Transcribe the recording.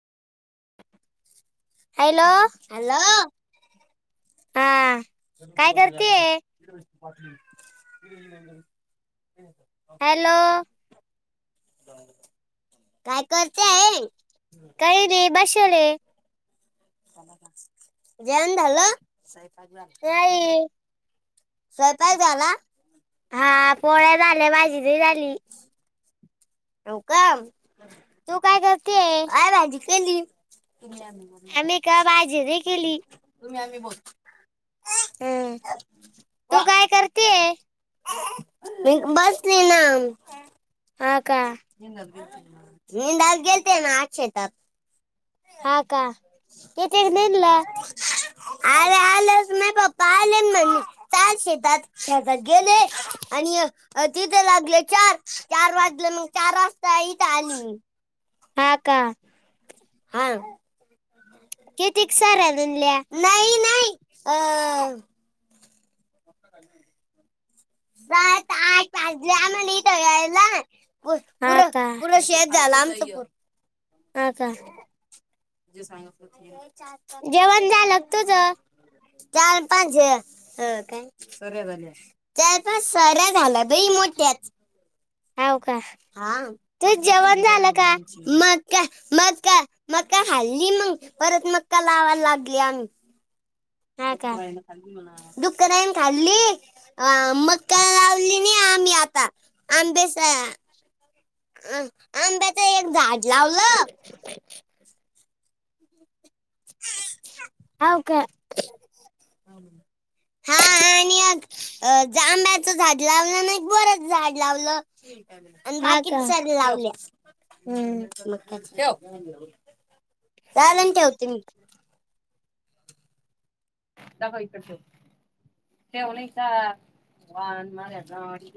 Hello hello हा. काय करतेय [unintelligible] हॅलो. काय करते आहे? बसेले. जेवन झालं? नाही स्वयंपाक झाला हा पोळ्या झाल्या भाजी ते झाली. हो का तू काय कर काय भाजी केली? आमी का भाजी नाई केली. हं. ये. वा तू काय करतेय ईक बसली ना. हा का निंदात गेलते ना आज शेतात. हा का कितीनं निघलं? अरे [unintelligible] त्या शेतात धग गेले आणि तिथे लागले चार चार वाज मग चार वाजता इथं आली मी. हा का. हा. कितीक साराधूनल्या नाही नाही. अ. जात आत पाच जा म्हणली दळायला. हां का, पुरं हां का. [unintelligible] जेवण झालं का तुझं चार पाच हे. सऱ्या झाल्या असतील? जवळपास सऱ्या झाल्या बाई मोठ्याच. हाव का. हा, तुझं जेवण झालं का मग का मग का मग का हाल्ली मग परत मग का लावायला लागली आम्ही. हा का डुकराईन खाल्ली म्हणावं. डुकराईनी खाल्ली, अ मग काय लावली नाही आम्ही आता. आंबेस आ अ आंब्याचं एक झाड लावलं. हाव का. हा आणि त्यात जांभळाचं झाड लावलं नाही, बोराचं झाड लावलं. आणि हा का बाकीच सग लावल्या. हम्म ठेव. मग काय? [inaudible] त्या बाईकडचं. [inaudible]